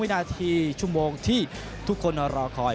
วินาทีชั่วโมงที่ทุกคนรอคอย